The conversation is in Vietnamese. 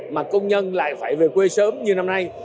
mà công nhân lại phải về quê sớm như năm nay